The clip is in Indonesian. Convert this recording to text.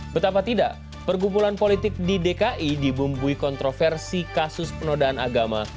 betapa tidak pergumpulan politik di dki dibumbui kontroversi kasus penodaan agama